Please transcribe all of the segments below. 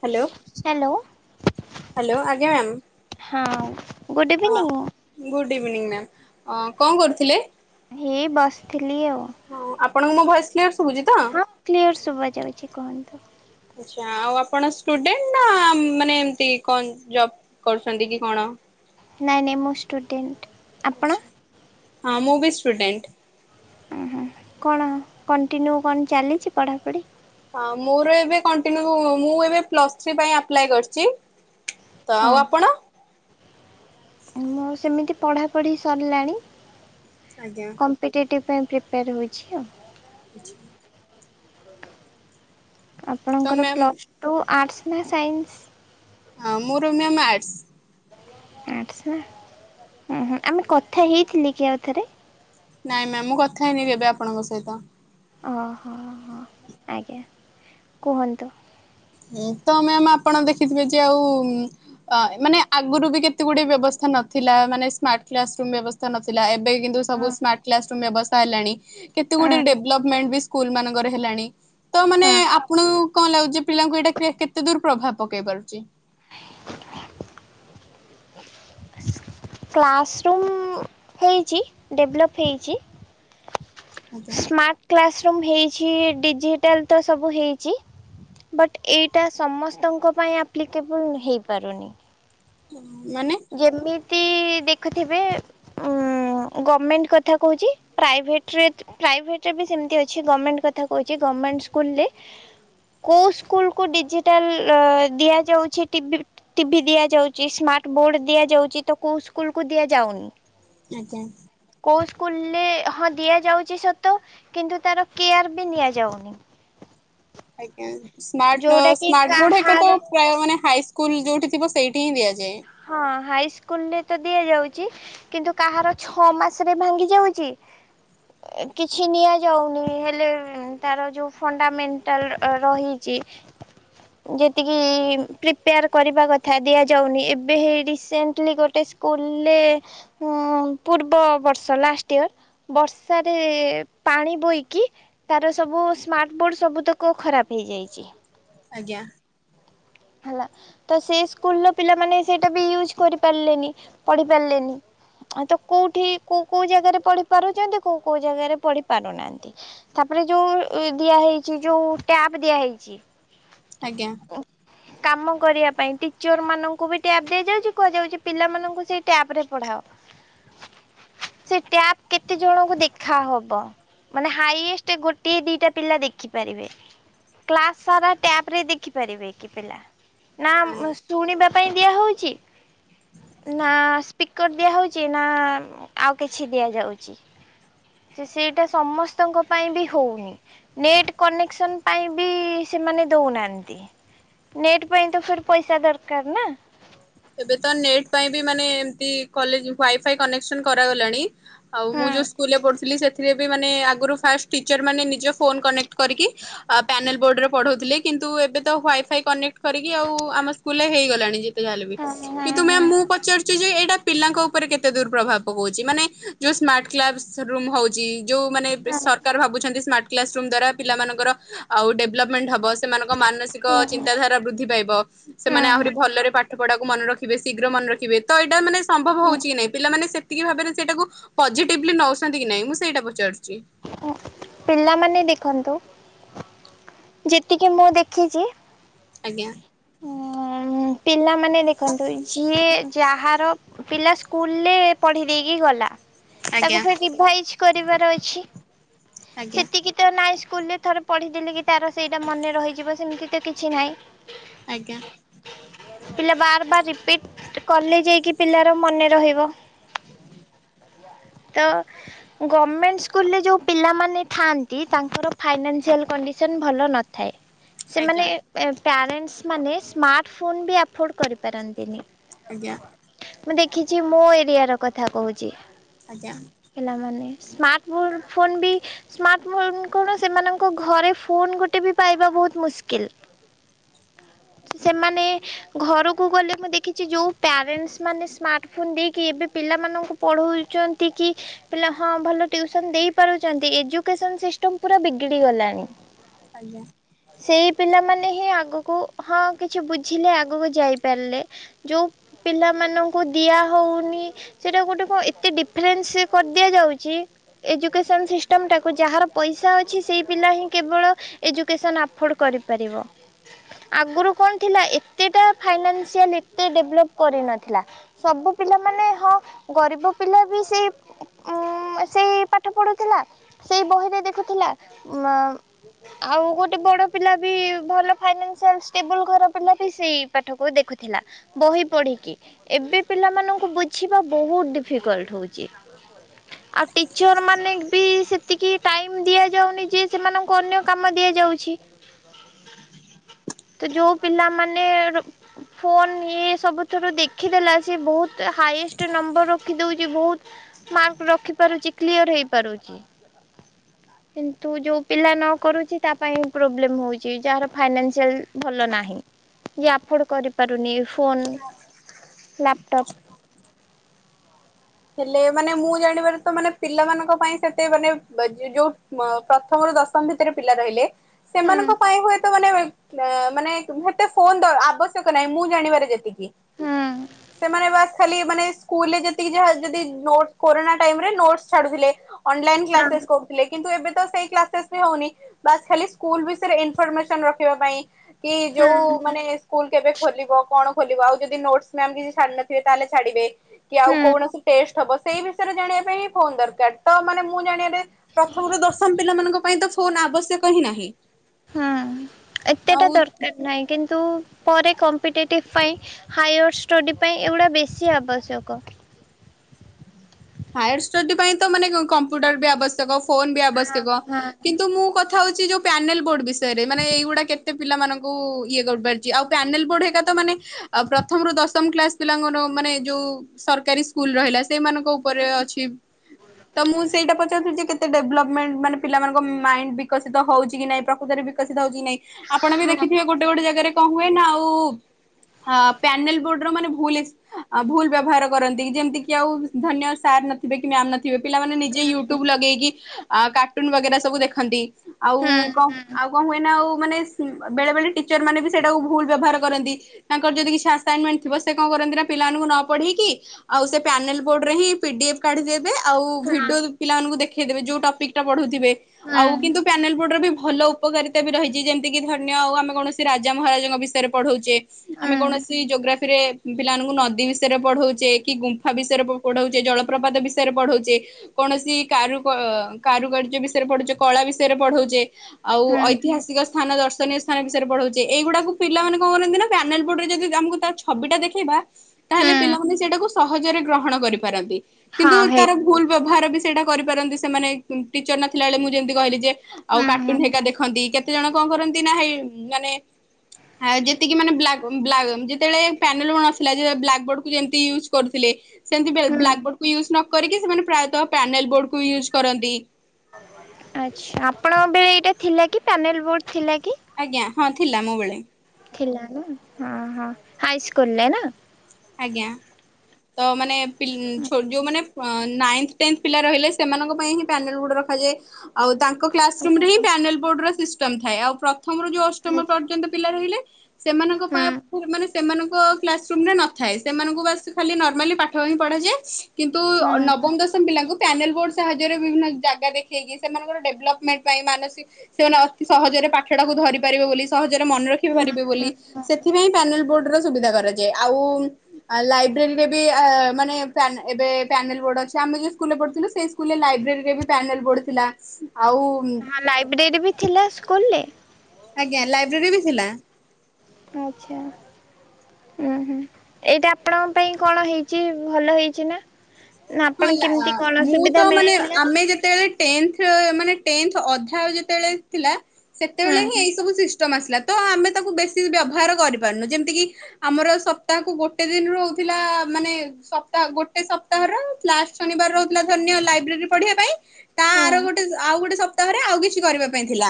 Hello hello hello ଆଜ୍ଞା ma'am. ହଁ good evening. Good evening ma'am ଅଁ କଣ କରୁଥିଲେ? ହେ ବସିଥିଲି ଆଉ। ହଁ ଆପଣଙ୍କୁ ମୋ ଭଏସ କ୍ଲିୟର ଶୁଭୁଛି ତ? କ୍ଲିୟର ଶୁଭାଜାଉଛି କୁହନ୍ତୁ। ଜାଉ ଆପଣ ଷ୍ଟୁଡେଣ୍ଟ ନା ମାନେ ଏମତି କଣ ଜବ୍ କରୁଛନ୍ତି କି କଣ, ନାଇଁ ନାଇଁ ମୁଁ ଷ୍ଟୁଡେଣ୍ଟ ଆପଣ? ହଁ ମୁଁ ବି ଷ୍ଟୁଡେଣ୍ଟ। ଉଁ ହୁଁ କଣ କଣ୍ଟିନ୍ୟୁ କଣ ଚାଲିଛି ପଢ଼ାପଢ଼ି? ହଁ ମୋର ଏବେ କଣ୍ଟିନ୍ୟୁ ମୁଁ ଏବେ ପ୍ଲସଥ୍ରି ପାଇଁ ଆପ୍ଲାଏ କରିଛି। ତ ଆଉ ଆପଣ? ମୋର ସେମିତି ପଢା ପଢି ସରିଲାଣି। ଆଜ୍ଞା। କମ୍ପିଟେଟିଭ୍ ପାଇଁ ପ୍ରିପେୟାର ହୋଉଛି ଆଉ। ଆଚ୍ଛା। ତ ଆପଣଙ୍କର ମ୍ୟାମ୍ ପ୍ଲସ୍ ଟୁ ଆର୍ଟସ୍ ନା ସାଇନ୍ସ? ହଁ ମୋର ମ୍ୟାମ୍ ଆର୍ଟ୍ସ। ଆର୍ଟ୍ସ ଆ ହୁଁ ହୁଁ ଆମେ କଥା ହେଇଥିଲେ କି ଆଉ ଥରେ? ନାଇଁ ମ୍ୟାମ୍ ମୁଁ କଥା ହେଇନି କେବେ ଆପଣଙ୍କ ସହିତ। ଅ ହ ହ ଆଜ୍ଞା କୁହନ୍ତୁ? ଉଁ ତ ମ୍ୟାମ୍ ଆପଣ ଦେଖିଥିବେ ଯେ ଆଉ ଅ ମାନେ ଆଗରୁ ବି କେତେ ଗୁଡିଏ ବ୍ୟବସ୍ଥା ନଥିଲା ମାନେ ସ୍ମାର୍ଟ କ୍ଲାସ୍ [inaudible] ବ୍ୟବସ୍ଥା ନଥିଲା ଏବେ କିନ୍ତୁ ସବୁ ହଁ ସ୍ମାର୍ଟ କ୍ଲାସ୍ [inaudible] ବ୍ୟବସ୍ଥା ହେଲାଣି ହଁ କେତେଗୁଡ଼ିଏ ଡେଭଲ୍ପମେଣ୍ଟ ବି ସ୍କୁଲ ମାନଙ୍କରେ ହେଲାଣି ତ ମାନେ ହଁ। ଆପଣଙ୍କୁ କଁ ଲାଗୁଚି? ପିଲାଙ୍କୁ ଏଇଟା କେ କେତେ ଦୂର୍ ପ୍ରଭାବ ପକେଇ ପାରୁଚି? [inaudible] କ୍ଲାସ୍ ରୁମ୍ ହେଇଚି ଡେଭ୍ଲପ୍ ହେଇଚି। ଆଜ୍ଞା ସ୍ମାର୍ଟ କ୍ଲାସ୍ ରୁମ୍ ହେଇଚି ଡିଜିଟାଲ୍ ତ ସବୁ ହେଇଚି। ବଟ୍ ଏଇଟା ସମସ୍ତଙ୍କ ପାଇଁ ଆପ୍ଲିକେବୁଲ୍ ହେଇପାରୁନି। ହଁ ମାନେ? ଯେମିତି ଦେଖୁଥିବେ ଉଁ ଗରର୍ଣମେଣ୍ଟ କଥା କହୁଚି ପ୍ରାଇଭେଟ୍ ରେ ପ୍ରାଇଭେଟ୍ରେ ବି ସେମିତି ଅଛି ଗର୍ମେଣ୍ଟ କଥା କହୁଚି ଗଭର୍ଣ୍ଣମେଣ୍ଟ ସ୍କୁଲ ରେ କୋଉ ସ୍କୁଲ କୁ ଡିଜିଟାଲ ଦିଆଯାଉଛି ଟିଭି ଟିଭି ଦିଆଯାଉଚି ସ୍ମାର୍ଟ ବୋର୍ଡ ଦିଆଯାଉଚି ତ କୋଉ ସ୍କୁଲ କୁ ଦିଆଯାଉନି? ଆଜ୍ଞା। କୋଉ ସ୍କୁଲରେ ହଁ ଦିଆଯାଉଚି ସତ କିନ୍ତୁ ତାର କେୟାର ବି ନିଆଯାଉନି? ଆଜ୍ଞା ସ୍ମାର୍ଟ ଯୋଉଟା କି ସ୍ମାର୍ଟ ବୋର୍ଡ଼ ଏଟା ତ କାହାର ପ୍ରାଏ ମାନେ ହାଇସ୍କୁଲ୍ ଯୋଉଠି ଥିବ ସେଇଠି ହିଁ ଦିଆଯାଏ। ହଁ ହାଇ ସ୍କୁଲ ରେ ତ ଦିଆଯାଉଚି। କିନ୍ତୁ କାହାର ଛଅ ମାସରେ ଭାଙ୍ଗି ଯାଉଚି। କିଛି ନିଆଯାଉନି ହେଲେ ତାର ଯୋଉ [inaudible] ରହିଚି। ଯେତିକି ପ୍ଲିପ୍ ପେୟାର କରିବା କଥା ଦିଆଯାଉନି। ଏବେ ହେଇ ରିସେଣ୍ଟଲି ଗୋଟେ ସ୍କୁଲ ଲେ ହୁଁ ପୂର୍ବ ବର୍ଷ ଲାଷ୍ଟ ଇୟର୍। ବର୍ଷାରେ ପାଣି ବୋଇକି ତାର ସବୁ ସ୍ମାର୍ଟ ବୋର୍ଡ଼ ସବୁ ତକ ଖରାପ ହେଇଯାଇଚି। ଆଜ୍ଞା। ହେଲା ତ ସେ ସ୍କୁଲ ଲେ ପିଲାମାନେ ସେଇଟା ବି ଇୟୁଜ୍ କରିପାରିଲେନି ପଢିପାରିଲେନି। ତ କୋଉଠି କୋଉ କୋଉ ଜାଗାରେ ପଢିପାରୁଚନ୍ତି କୋଉ କୋଉ ଜାଗାରେ ପଢି ପାରୁନାହାନ୍ତି। ତାପରେ ଯୋଉ ଇଏ ଦିଆ ହେଇଚି ଯୋଉ ଟ୍ୟାପ୍ ଦିଆହେଇଚି। ଆଜ୍ଞା। ତ କାମ କରିବା ପାଇଁ ଟିଚର ମାନଙ୍କୁ ବି ଟ୍ୟାପ୍ ଦିଆଯାଉଚି କୁହାଯାଉଚି ପିଲାମାନଙ୍କୁ ସେ ଟ୍ୟାପ୍ ରେ ପଢାଅ। ସେ ଟ୍ୟାପ୍ କେତେ ଜଣଙ୍କୁ ଦେଖା ହବ? ମାନେ ହାଇଏଷ୍ଟ ଗୋଟିଏ ଦିଟା ପିଲା ଦେଖିପାରିବେ। କ୍ଲାସ୍ ସାରା ଟ୍ୟାପ୍ ରେ ଦେଖି ପାରିବେ କି ପିଲା ନା ମୁଁସ୍ ଶୁଣିବା ପାଇଁ ଦିଆହଉଚି। ନା ସ୍ପିକର୍ ଦିଆ ହଉଚି ନା ଆଉ କିଛି ଦିଆଯାଉଚି। ତି ସେଇଟା ସମସ୍ତଙ୍କ ପାଇଁ ବି ହଉନି। ନେଟ୍ କନେକ୍ସନ୍ ପାଇଁ ବି ସେମାନେ ଦଉନାହାନ୍ତି। ନେଟ୍ ପାଇଁ ତ ଫିର ପଇସା ଦରକାର ନା? ଏବେ ତ ନେଟ୍ ପାଇଁ ବି ମାନେ ଏମିତି କଲେଜ୍ ୱାଇଫାଇ କନେକ୍ସନ୍ କରାଗଲାଣି। ଆଉ ମୁଁ ଯୋଉ ହଁ। ସ୍କୁଲ ରେ ପଢୁଥିଲି ସେ ଏଥିରେ ବି ମାନେ ଆଗରୁ ଫାଷ୍ଟ ଟିଚର୍ ମାନେ ନିଜ ଫୋନ୍ କନେକ୍ଟ କରିକି ପ୍ୟାନଲ ବୋର୍ଡରେ ପଢଉଥିଲେ। କିନ୍ତୁ ଏବେ ତ ୱାଇଫାଇ କନେକ୍ଟ କରିକି ଆଉ ଆମ ସ୍କୁଲେ ହେଇଗଲାଣି ଯେତେ ଯାହା ହେଲେବି। କିନ୍ତୁ ମ୍ୟାମ୍ ମୁଁ ପଚାରୁଛି ଯେ ଏଇଟା ପିଲାଙ୍କ ଉପରେ କେତେ ଦୁର୍ପ୍ରଭାବ ପଉଛି ମାନେ ଯୋଉ ସ୍ମାର୍ଟ କ୍ଲାସ ରୁମ୍ ହଉଛି ଯଉ ମାନେ ଏବେ ସରକାର ଭାବୁଛନ୍ତି ସ୍ମାର୍ଟ କ୍ଲାସ ରୁମ୍ ଦ୍ଵାରା ପିଲାମାନଙ୍କର ଆଉ ଡେଭଲପମେଣ୍ଟ ହବ ସେମାନଙ୍କ ମାନସିକ ଚିନ୍ତାଧାରା ବୃଦ୍ଧି ପାଇବ ସେମାନେ ଆହୁରି ପିଲାମାନେ ଭଲରେ ପାଠ ପଢା କୁ ମନେ ରଖିବେ ଶୀଘ୍ର ମନେ ରଖିବ ତ ଏଇଟା ମାନେ ସମ୍ଭବ ହଉଛି କି ନାଇଁ ପିଲାମାନେ ସେ କି ଭାବରେ ସେଇଟାକୁ ପଜେଟିଭ ରେ ନଉଛନ୍ତି କି ନାଇଁ ମୁଁ ସେଇଟା ପଚାରୁଛି। ପିଲାମାନେ ଦେଖନ୍ତୁ ଯେତିକି ମୁଁ ଦେଖିଛି ଆଜ୍ଞା। ପିଲାମାନେ ଦେଖନ୍ତୁ ଯିଏ ଯାହାର ପିଲା ସ୍କୁଲରେ ପଢି ଦେଇେଇକି ଗଲା ଆଜ୍ଞା ତାକୁ ଫେର୍ ରିଭାଇଜ୍ କରିବାର ଅଛି। ଆଜ୍ଞା ସେତିକି ତ ନାଇଁ ସ୍କୁଲ ରେ ଥର ପଢିଥିଲେ କି ତାର ସେଇଟା ମନେ ରହିଯିବ ସେମିତି ତ କିଛି ନାହିଁ। ଆଜ୍ଞା। [unintelligible] ପିଲା ବାର ବାର ରିପିଟ୍ କଲେ ଯାଇକି ପିଲାର ମନେ ରହିବ। ତ ଗର୍ମେଣ୍ଟ ସ୍କୁଲରେ ଯୋଉ ପିଲାମାନେ ଥାଆନ୍ତି ତାଙ୍କର ଫାଇନାନ୍ସିଆଲ୍ କଣ୍ଡିସନ୍ ଭଲ ନଥାଏ। ଆଜ୍ଞା ସେମାନେ ପ୍ୟାରେଣ୍ଟସ୍ ମାନେ ସ୍ମାର୍ଟ ଫୋନ୍ ବି ଆଫୋର୍ଡ କରିପାରନ୍ତିନି। ଆଜ୍ଞା। ମୁଁ ଦେଖିଛି ମୋ ଏରିଆ ର କଥା କହୁଛି। ଆଜ୍ଞା। ହେଲା ମାନେ ସ୍ମାର୍ଟ ଫୋନ୍ ଫୋନ୍ ବି ସ୍ମାର୍ଟ ଫୋନ୍ କଣ ସେମାନଙ୍କ ଘରେ ଫୋନ୍ ଗୋଟେ ବି ପାଇବା ବହୁତ୍ ମୁସ୍କିଲ୍। [unintelligible] ସେମାନେ ଘରକୁ ଗଲେ ମୁଁ ଦେଖିଛି ଯୋଉ ପ୍ୟାରେଣ୍ଟସ୍ ମାନେ ସ୍ମାର୍ଟ ଫୋନ୍ ଦେଇକି ଏବେ ପିଲାମାନଙ୍କୁ ପଢ଼ଉଛନ୍ତି କି ପିଲା ହଁ ଭଲ ଟ୍ୟଉସନ୍ ଦେଇ [unintelligible] ଏଜୁକେସନ୍ ସିଷ୍ଟମ ପୁରା ବିଗିଡ଼ି ଗଲାଣି। ଆଜ୍ଞା। ସେଇ ପିଲାମାନେ ହିଁ ଆଗକୁ ହଁ କିଛି ବୁଝିଲେ ଆଗକୁ ଯାଇପାରିଲେ। ଯୋଉ ପିଲାମାନଙ୍କୁ ଦିଆହଉନି ସେଇଟା ଗୋଟେ କଣ ଏତେ ଡିଫରେନ୍ସ୍ କରିଦିଆ ଯାଉଛି। ଏ ଯୋଉ ଏଜୁକେସନ୍ ସିଷ୍ଟମ୍ ଟାକୁ ଯାହାର ପଇସା ଅଛି ସେହି ପିଲା ହିଁ କେବଳ ଏଜୁକେସନ୍ ଆଫୋର୍ଡ କରିପାରିବ। ଆଗରୁ କଣ ଥିଲା ଏତେଟା ଫାଇନାନ୍ସିଆଲ୍ ଏତ ଡେଭଲପ କରିନଥିଲା। ସବୁ ପିଲାମାନେ ହଁ ଗରିବ ପିଲା ବି ସେଇ ଉଁ ସେଇ ପା ପାଠ ପଡୁଥିଲା ସେଇ ବହିରେ ଦେଖୁଥିଲା ମା ଆଉ ଗୋଟେ ବଡ଼ ପିଲା ବି ଭଲ ଫାଇନାନ୍ସିଆଲ ଷ୍ଟେବୁଲ ଘର ପିଲା ବି ସେଇ ପାଠକୁ ଦେଖୁଥିଲା ବହି ପଢ଼ିକି ଏବେ ପିଲାମାନଙ୍କୁ ବୁଝିବା ବହୁତ୍ ଡିଫିକଲ୍ଟ ହଉଛି। ଆ ଟିଚର ମା ବି ସେତିକି ଟାଇମ୍ ଦିଆଯାଉନି ଯେ ସେମାନଙ୍କୁ ଅନ୍ୟ କାମ ଦିଆଯାଉଛି। ତ ଯୋଉ ପିଲା ମାନେ ଫୋନ୍ ଇଏ ସବୁଥିରୁ ଦେଖିଦେଲା ସେ ବହୁତ୍ ହାଇଏଷ୍ଟ ନମ୍ବର ରଖିଦଉଛି ବହୁତ୍ ମାର୍କ ରଖି ପାରୁଛି କ୍ଲିଅର ହେଇପାରୁଛି। କିନ୍ତୁ ଯୋଉ ପିଲା ନ କରୁଛି ତା ପାଇଁ ପ୍ରୋବ୍ଲେମ ହଉଛି ଯାହାର ଫାଇନାସିଆଲ ଭଲ ନାହିଁ। ଏ ଆଫୋଡ କରିପାରୁନି ଫୋନ୍ ଲାପଟପ୍। ହେଲେ ମାନେ ମୁଁ ଜାଣିବାରେ ତ ମାନେ ପିଲାମାନଙ୍କ ପାଇଁ ସେତେ ମାନେ ଯୋଉ ପ୍ରଥମରୁ ଦଶମ ଭିତରେ ପିଲା ରହିଲେ ହୁଁ ସେମାନଙ୍କ ପାଇଁ ହୁଏ ତ ମାନେ ମାନେ ଏତେ ଫୋନ୍ ଆବଶ୍ୟକ ନାହିଁ ମୁଁ ଜାଣିବାରେ ଯେତିକି। ହୁଁ ସେମାନେ ବାସ୍ ଖାଲି ମାନେ ସ୍କୁଲରେ ଯେତିକି ଯାହା ଜଦି ନୋଟ୍ କରୋନା ଟାଇମ୍ ରେ ନୋଟସ ଛାଡୁଥିଲେ ଅନଲାଇନ୍ କ୍ଲାସେସ୍ କରୁ ଥିଲେ କିନ୍ତୁ ଏବେ ତ ସେଇ କ୍ଲାସେସ୍ ବି ହଉନି ବାସ ଖାଲି ସ୍କୁଲ ବିଷୟରେ ଇନିଫରମେସନ୍ ରଖିବା ପାଇଁ। କି ଯୋଉ ହୁଁ ମାନେ ସ୍କୁଲ କେବେ ଖୋଲିବ କଣ ଖୋଲିବ ଆଉ ଯଦି ନୋଟସ ମ୍ୟାମ କିଛି ଛାଡି ନଥିବେ ତାହେଲେ ଛାଡିବେ କି ଆଉ ହୁଁ କୌଣ ସେଇ ବିଷୟରେ ଜାଣିବା ପାଇଁ ହିଁ ଫୋନ୍ ଦରକାର ତ ମାନେ ମୁଁ ଜାଣିବାରେ ପ୍ରଥମରୁ ଦଶମ ପିଲାମାନଙ୍କ ପାଇଁ ତ ଫୋନ୍ ଆବଶ୍ୟକ ହିଁ ନାହିଁ। ହୁଁ ଏତେଟା ଆଉ ଦରକାର ନାହିଁ କିନ୍ତୁ ପରେ କମ୍ପିଟେଟିଭ୍ ପାଇଁ ହାୟର ଷ୍ଟଡ଼ି ପାଇଁ ଏଗୁଡ଼ା ବେଶୀ ଆବଶ୍ୟକ। ହାୟର ଷ୍ଟଡି ପାଇଁ ତ ମାନେ କମ୍ପ୍ୟୁଟର ବି ଆବଶ୍ୟକ ଫୋନ୍ ବି ହଁ ଆବଶ୍ୟକ ହଁ କିନ୍ତୁ ମୁଁ କ କଥା ହଉଛି ଯୋଉ ପ୍ୟାନେଲ୍ ବୋର୍ଡ ବିଷୟରେ ମାନେ ଏଇଗୁଡା କେତେ ପିଲାମାନାନଙ୍କୁ ଇଏ କରିପାରଛି ଆଉ ପ୍ୟାନେଲ୍ ବୋର୍ଡ ହେକା ତ ମାନେ ଆଉ ପ୍ରଥମରୁ ଦଶମ କ୍ଲାସ ପିଲାଙ୍କର ମାନେ ଯୋଉ ସରକାରୀ ସ୍କୁଲ ରହିଲା ସେଇମାନଙ୍କୁ ଉପରେ ଅଛି। ତ ମୁଁ ସେଇଟା ପଚାରୁଥିଲି ଯେ କେତେ ଡେଭଲପମେଣ୍ଟ ମାନେ ପିଲାମାନଙ୍କ ମାଇଣ୍ଡ ବିକଶିତ ହଉଛି କି ନାଇଁ ପ୍ରକୃତରେ ବି ବିକଶିତ ହଉଛି ନାଇଁ ଆପଣ ବି ଦେଖିଥିବେ ଗୋଟେ ଗୋଟେ ଜାଗାରେ କଣ ହୁଏ ନା ଆଉ ହ ପ୍ୟାନେଲ ବୋର୍ଡ ର ମାନେ ଭୁଲ ଭୁଲ ବ୍ୟବହାର କରନ୍ତି ଯେମିତି କି ଆଉ ଧରିନିଅ ସାର୍ ନଥିବେ କି ମ୍ୟାାମ ନଥିବେ ପିଲାମାନେ ନିଜେ ୟୁଟ୍ୟୁବ ଲଗେଇକି କାର୍ଟୁନ ବଗେରା ସବୁ ଦେଖନ୍ତି। ଆଉ କଣ ଆଉ କଣ ହୁଏନା ଆଉ ମାନେ ବେଳେ ବେଳେ ଟିଚର ମାନେ ବି ସେଇଟାକୁ ଭୁଲ ବ୍ୟବହାର କରନ୍ତି। ତାଙ୍କର ଯଦି କିଛି ଆସାଇନମେଣ୍ଟ ଥିବ ସେ କଣ କରନ୍ତି ନା ପିଲମାନଙ୍କୁ ନ ପଢେଇକି ଆଉ ସେ ପ୍ୟାନେଲ ବୋଡ ରେ ହିଁ ପିଡିଏଫ୍ କାଢିଦେବେ ଆଉ ଭିଡିଓ ପିଲାମାନଙ୍କୁ ଦେଖେଇଦେବେ ଯୋଉ ଟପିକ୍ ଟା ପଢୁଉଥିବେ ଆଉ କିନ୍ତୁ ପ୍ୟାନଲ ବୋଡର ବି ଭଲ ଉପକାରିତା ବି ରହିଛି ଯେମିତିକି ଧଦିନିଅ ଆଉ ଆମେ କୌଣସି ରାଜା ମହାରଜାଙ୍କ ବିଷୟରେ ପଢ଼ଉଛେ। ଆମେ କୌଣସି ଜୋଗ୍ରାଫିରେ ପିଲାମାନଙ୍କୁ ନଦୀ ବିଷୟରେ ପଢଉଚେ କି ଗୁମ୍ଫା ବିଷୟରେ ପଢଉ ଚେ ଜଳପ୍ରପାତ ବିଷୟରେ ପଢ଼ଉଚେ। କୌଣସି କାରୁ କାରୁକାର୍ଯ୍ୟ ବିଷୟରେ ପଢୁଛେ କଳା ବିଷୟରେ ପଢଉଚେ। ଆଉ ଐତିହାସିକ ସ୍ଥାନ ଦର୍ଶନୀୟ ସ୍ଥାନ ବିଷୟରେ ପଢଉଚେ ଏଇଗୁଡାକୁ ପିଲାମାନେ କଣ କରନ୍ତି ନା ପ୍ୟାନେଲ ପଟରେ ଯଦି ଆମକୁ ତା ଛବିଟା ଦେଖେଇବା। ତାହେଲେ ପିଲାମାନେ ସେଇଟାକୁ ସହଜରେ ଗ୍ରହଣ କରିପାରନ୍ତି କିନ୍ତୁ ହଁ ହେଇ ତାର ଭୁଲ ବ୍ୟବହାର ବି ସେଟା କରିପାରନ୍ତି ସେମାନେ ଟିଚର ନଥିଲା ବଳେ ମୁଁ ଯେମିତି କହିଲି ଯେ ଆଉ ହୁଁ କାର୍ଟୁନ ହୁଁ ହେକା ଦେଖନ୍ତି କେ କେତେ ଜଣ କଣ କରନ୍ତି ନା ହେଇ ମାନେ ହା ଯେତିକି ମାନେ ବ୍ଲାଗ ବ୍ଲାଗ୍ ଯେତେବେଳେ ପ୍ୟାନଲ ନଥିଲା ଯେ ବ୍ଲାକ୍ ବୋର୍ଡ କୁ ଯେମିତି ୟୁଜ୍ କରୁଥିଲେ। ସେମିତି ହୁଁ ବ୍ଲାକ୍ ବୋର୍ଡକୁୁ ୟୁଜ୍ ନ କରିକି ସେମାନେ ପ୍ରାୟତଃ ପ୍ୟାନେଲ ବୋର୍ଡକୁୁ ୟୁଜ୍ କରନ୍ତି। ଆଚ୍ଛା ଆପଣଙ୍କବେଳେ ଏଇଟା ଥିଲା କି ପ୍ୟାନେଲ୍ ବୋର୍ଡ଼ ଥିଲା କି। ଆଜ୍ଞା ହଁ ଥିଲା ମୋ ବେଳେ। ଥିଲା ଓହୋ ହାଇ ସ୍କୁଲରେ ନା। ଆଜ୍ଞା ତ ମାନେ ପି ଛୋ ଯୋଉ ମାନେ ଅଁ ନାଇନ୍ଥ ଟେନ୍ଥ ପିଲା ରହିଲେ ସେମାନଙ୍କ ପାଇଁ ହିଁ ପ୍ୟାନଲ ବୋର୍ଡ ରଖାଯାଏ। ଆଉ ତାଙ୍କ କ୍ଲାସ୍ ରୁମରେ ହିଁ ଓହୋ ପ୍ୟାନେଲ ବୋର୍ଡ ର ସିଷ୍ଟମ୍ ଥାଏ ଆଉ ପ୍ରଥମରୁ ଯୋଉ ଅ ଅଷ୍ଟମ ଆଚ୍ଛା ପର୍ଯ୍ୟନ୍ତ ପିଲା ରହିଲେ ସେମାନଙ୍କ ହୁଁ ପାଇଁ ମାନେ ସେମାନଙ୍କ କ୍ଲାସ୍ ରୁମ୍ ରେ ନ ଥାଏ ସେମାନଙ୍କୁ ବାସ୍ ଖାଲି ନର୍ମାଲି ପାଠ ହିଁ ପଢାଯାଏ କିନ୍ତୁ ହୁଁ ଅ ହୁଁ ନବମ ଦଶମ ପିଲାଙ୍କୁ ପ୍ୟାନେଲ୍ ବୋର୍ଡ଼ ସାହାଯ୍ୟରେ ବିଭିନ୍ନ ଜାଗା ଦେଖେଇକି ସେମାନଙ୍କର ଡେଭଲପମେଣ୍ଟ ପାଇଁ ମାନସି ସେମାନେ ଅତି ସହଜ ରେ ପାଠ ଟାକୁ ଧରି ପାରିବେ ବୋଲି ସହଜରେ ମନେ ରଖି ହୁଁ ପାରିବେ ବୋଲି ହୁଁ। ସେଥିପାଇଁ ପ୍ୟାନେଲ୍ ବୋର୍ଡ଼ର ସୁବିଧା କରାଯାଏ ଆଉ ଆଉ ଲାଇବ୍ରେରୀ ରେ ବି ଆ ମାନେ ପ୍ୟାନେ ଏବେ ପ୍ୟାନେଲ୍ ବୋର୍ଡ ଅଛି ଆମେ ଯୋଉ ସ୍କୁଲ୍ ରେ ପଢୁଥିଲୁ ସେଇ ସ ସ୍କୁଲ୍ ରେ ଲାଇବ୍ରେରୀ ରେ ବି ପ୍ୟାନେଲ୍ ବୋର୍ଡ ଥିଲା ଆଉ ହଁ ଲାଇବ୍ରେରୀ ବି ଥିଲା ସ୍କୁଲରେ? ଆଜ୍ଞା ଲାଇବ୍ରେରୀ ବି ଥିଲା। ଆଚ୍ଛା। ଉୁଁ ହୁଁ ଏଇଟା ଆପଣଙ୍କ ପାଇଁ କଣ ହେଇଛି ଭଲ ହେଇଛି ନା? ନା ହଁ ଆପଣ ହେଲା କେମିତି କଣ ମୁଁ ସୁବିଧା ତ ମାନେ ମିଳିଥିଲା ଆମେ ଯେତେବେଳେ ଟେନ୍ଥ ମାନେ ଟେନ୍ଥ ଅଧା ଯେତେବେଳେ ଥିଲା ନା ସେତେବେଳେ ହିଁ ହୁଁ ଏଇ ସବୁ ସି ଷ୍ଟମ୍ ଆସିଲା ତ ଆମେ ତାକୁ ବେଶୀ ବ୍ୟବହାର କରି ପାରୁନୁ ଯେମିତି କି ଆମର ସପ୍ତାହକୁ ଗୋଟେ ଦିନ ରୁହୁଥିଲା ମାନେ ସପ୍ତାହ ଗୋଟେ ସପ୍ତାହର ଲାଷ୍ଟ୍ ଶନିବାର ରହୁଥିଲା ଧରିନିଅ ଲାଇବ୍ରେରୀ ପଢିବା ପାଇଁ ତା ହୁଁ ଆର ଗୋଟେ ସ ଆଉ ଗୋଟେ ସପ୍ତ ପ୍ତହରେ ଆଉ କିଛି କରିବା ପାଇଁ ଥିଲା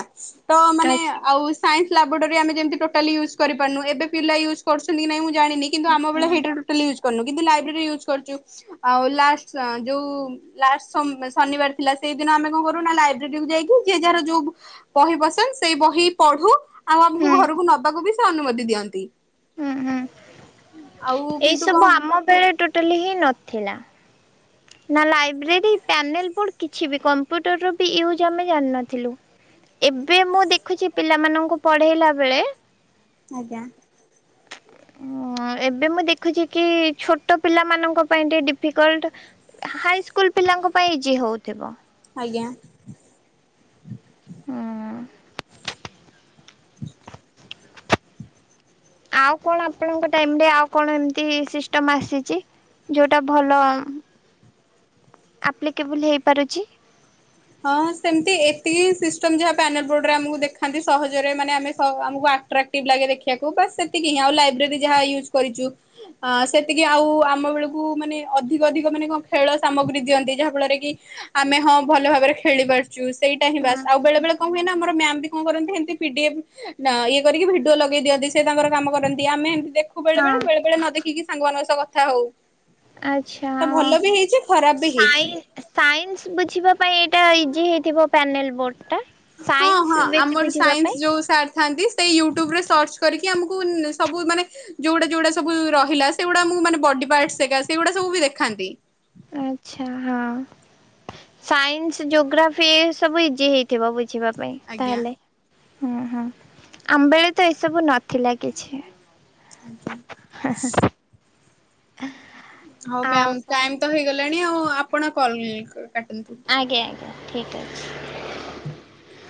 ତ ମାନେ ଆଚ୍ଛା। ଆଉ ସାଇନ୍ସ୍ ଲାବ୍ରୋଟୋରି ଆମେ ଯେମିତି ଟୋଟାଲି ୟୁଜ୍ କରିପାରୁନୁ ଏବେ ପିଲା ୟୁଜ୍ କରୁଛନ୍ତି କି ନାଇଁ ମୁଁ ଜାଣିନି କିନ୍ତୁ ହୁଁ ଆମ ବେଳେ ସେଇଟା ହୁଁ ଟୋଟାଲି ୟୁଜ୍ କରିନୁ କିନ୍ତୁ ଲାଇବ୍ରେରୀ ୟୁଜ୍ କରିଛୁ ଆଉ ଲାଷ୍ଟ୍ ସାଁ ଯୋଉ ଲାଷ୍ଟ୍ ଶ ଶନିବାର ଥିଲା ସେଇଦିନ ଆମେ କଣ କରୁ ନା ଲାଇବ୍ରେରୀ କୁ ଯାଇକି ଯିଏ ଯାହାର ଯୋଉ ବୁ ବହି ପସନ୍ଦ ସେଇ ବହି ପଢୁ ଆଉ ଆମକୁ ଘରକୁ ନବାକୁ ବି ସେ ଅନୁମତି ଦିଅନ୍ତି। ହୁଁ ହୁଁ ଆଉ ଏଇ କିନ୍ତୁ କଣ ସବୁ ଆମ ବେଳେ ଟୋଟାଲି ହିଁ ନଥିଲା। ନା ଲାଇବ୍ରେରୀ ପ୍ୟାନେଲ୍ ବୋର୍ଡ କିଛି ବି କମ୍ପ୍ୟୁଟର ବି ୟୁଜ୍ ଆମେ ଜାଣିନଥିଲୁ। ଏବେ ମୁଁ ଦେଖୁଛି ପିଲାମାନଙ୍କୁ ପଢ଼େଇଲା ବେଳେ ଆଜ୍ଞା। ଉୁଁ ଏବେ ମୁଁ ଦେଖୁଛି କି ଛୋଟ ପିଲାମାନଙ୍କ ପାଇଁ ଟିକେ ଡିଫିକଲ୍ଟ ହାଇସ୍କୁଲ୍ ପିଲାଙ୍କ ପାଇଁ ଇଜି ହଉଥିବ। ଆଜ୍ଞା। ହୁଁ ହୁଁ। ଆଉ କଣ ଆପଣଙ୍କ ଟାଇମ୍ ରେ ଆଉ କଣ ଏମିତି ସିଷ୍ଟମ୍ ଆସିଛି ଯୋଉଟା ଭଲ ଆପ୍ଲିକେବୁଲ୍ ହେଇ ପାରୁଛି? ହଁ ସେମିତି ଏତିକି ସିଷ୍ଟମ୍ ଯାହା ପ୍ୟାନେଲ୍ ବୋର୍ଡ ରେ ଆମକୁ ଦେଖାନ୍ତି ସହଜରେ ମାନେ ଆମେ ସ ଆମକୁ ଆଟ୍ରାକ୍ ଟିଭ୍ ଲାଗେ ଦେଖିବାକୁ ବାସ୍ ସେତିକି ହିଁ ଆଉ ଲାଇବ୍ରେରୀ ଯାହା ୟୁଜ୍ କରିଛୁ। ଆ ସେତିକି ଆଉ ଆମ ବେଳକୁ ମାନେ ଅଧିକ ଅଧିକ ମାନେ କଣ ଖେଳ ସାମଗ୍ରୀ ଦିଅନ୍ତି ଯାହା ଫଳରେ କି ଆମେ ହଁ ଭଲ ଭାବରେ ଖେଳି ପାରୁଛୁ ସେଇଟା ହିଁ ବାସ୍ ହଁ ଆଉ ବେଳେ ବେଳେ କଣ ହୁଏ ନା ଆମର ମ୍ୟାମ୍ ବି କଣ କରନ୍ତି ଏମିତି ପି ଡି ଏଫ୍ ଡା ଇଏ କରିକି ଭିଡିଓ ଲଗେଇ ଦିଅନ୍ତି ସେ ତାଙ୍କର କାମ କରନ୍ତି ଆମେ ଏମିତି ଦେଖୁ। ଆଉ ବେଳେ ବେଳେ ହଁ। ବେଳେ ବେଳେ ନ ଦେଖିକି ସାଙ୍ଗମାନଙ୍କ ସହ କଥା ହଉ। ଆଚ୍ଛା ତ ଭଲ ବି ହେଇଛି ଖରାପ୍ ବି ହେଇଛି। ସାଇନ୍ସ୍ ବୁଝିବା ପାଇଁ ଏଇଟା ଇଜି ହେଇଥିବ ପ୍ୟାନେଲ୍ ବୋର୍ଡ ଟା। ହଁ ହଁ ସାଇନ୍ସ ବେଶୀ ଆମର ବୁଝିବା ପାଇଁ ସାଇନ୍ସ୍ ଯୋଉ ସାର୍ ଥାଆନ୍ତି ସେଇ ୟୁଟ୍ୟୁବରେ ସର୍ଚ୍ଚ କରିକି ଆମକୁ ନ ସବୁ ମାନେ ଯୋଉଡ଼ା ଯୋଉଡ଼ା ସବୁ ରହିଲା ସେଗୁଡ଼ାଁ ମୁମାନେ ବଡିପାର୍ଟସ ସେଗା ସେଗୁଡ଼ାକ ସବୁବି ଦେଖାନ୍ତି। ଆଚ୍ଛା ହଁ। ସାଇନ୍ସ ଜୋଗ୍ରାଫି ଇଏ ସବୁ ଇଜି ହେଇଥିବ ବୁଝିବା ପାଇଁ ଆଜ୍ଞା ତାହେଲେ ହୁଁ ହୁଁ ଆମ ବେଳେତ ଏସବୁ ନଥିଲା କିଛି। ଆଜ୍ଞା [unintelligible] ହଉ ମ୍ୟାମ୍ ଆଉ ଟାଇମତ ହେଇଗଲାଣି ଆଉ ଆପଣ କଲ୍ କାଟନ୍ତୁ। ଆଜ୍ଞା ଆଜ୍ଞା ଠିକ୍ ଅଛି। [inaudible]